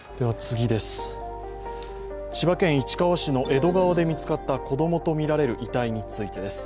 千葉県市川市の江戸川で見つかった子供とみられる遺体についてです。